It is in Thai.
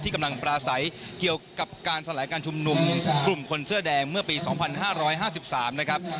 ที่กำลังปราศัยเกี่ยวกับการสลายการชุมนุมกลุ่มคนเสื้อแดงเมื่อปีสองพันห้าร้อยห้าสิบสามนะครับ